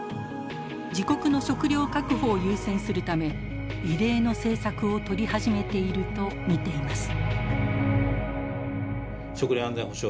自国の食料確保を優先するため異例の政策をとり始めていると見ています。